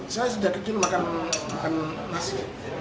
saya sejak kecil makan nasi